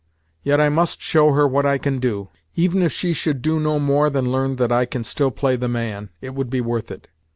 Yet I must show her what I can do. Even if she should do no more than learn that I can still play the man, it would be worth it.